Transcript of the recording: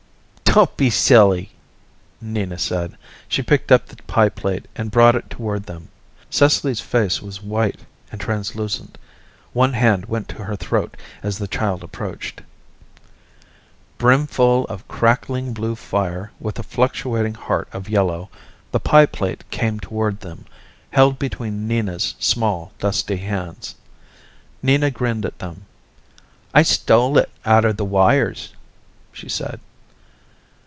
"Don't be silly," Nina said. She picked up the pie plate and brought it toward them. Cecily's face was white and translucent, one hand went to her throat as the child approached. Brimfull of crackling blue fire with a fluctuating heart of yellow, the pie plate came toward them, held between Nina's small, dusty hands. Nina grinned at them. "I stole it out of the wires," she said.